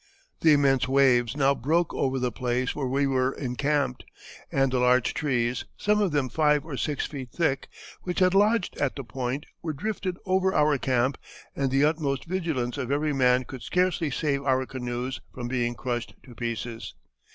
The immense waves now broke over the place where we were encamped, and the large trees, some of them five or six feet thick, which had lodged at the point, were drifted over our camp, and the utmost vigilance of every man could scarcely save our canoes from being crushed to pieces.